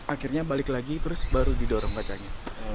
akhirnya balik lagi terus baru didorong kacanya